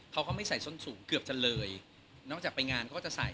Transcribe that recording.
เขาก็ไม่ใส่ส้นสูงเกือบจะเลยนอกจากไปงานเขาก็จะใส่